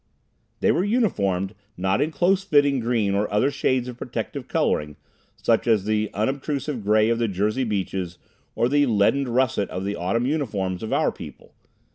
They were uniformed, not in close fitting green or other shades of protective coloring, such as the unobtrusive gray of the Jersey Beaches or the leadened russet of the autumn uniforms of our people.